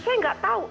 saya nggak tahu